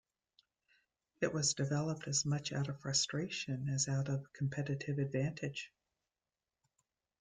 It was developed as much out of frustration as out of competitive advantage.